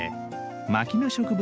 牧野植物